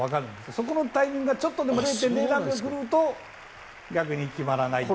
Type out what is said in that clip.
そのタイミングがちょっとでも狂うと逆に決まらないと。